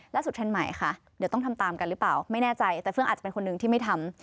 ทันใหม่ค่ะเดี๋ยวต้องทำตามกันหรือเปล่าไม่แน่ใจแต่เฟื่องอาจจะเป็นคนนึงที่ไม่ทำ